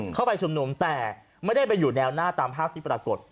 เข้าไปชุมนุมแต่ไม่ได้ไปอยู่แนวหน้าตามภาพที่ปรากฏ